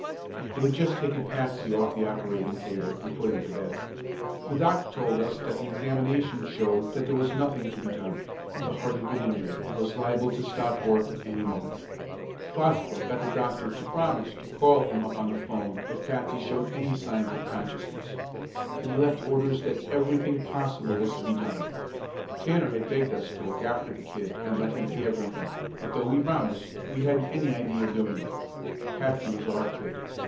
They had just taken Patsy off the operating table and put him to bed. The doctor told us that the examination showed that there was nothing to be done; the heart had been injured and was liable to stop work any moment. Fosgill got the doctor to promise to call him up on the 'phone if Patsy showed any signs of consciousness. And he left orders that everything possible was to be done. Tanner had begged us to look after the kid and let him pay everything, but though we promised, we hadn't any idea of doing it; Patsy was our kid.